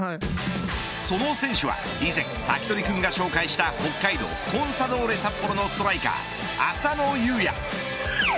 その選手は以前、サキドリくんが紹介した北海道コンサドーレ札幌のストライカー浅野雄也。